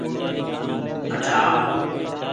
اٺ آو